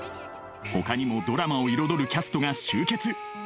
ほかにもドラマを彩るキャストが集結